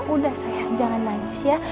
udah sayang jangan nangis ya